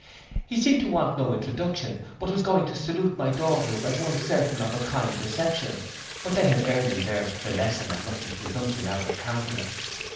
He seemed to want no introduction, but was going to salute my daughters as one certain of a kind reception; but they had early learnt the lesson of looking presumption out of countenance.